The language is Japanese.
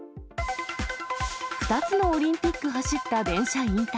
２つのオリンピック走った電車引退。